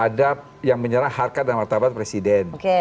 ada yang menyerang harkat dan martabat presiden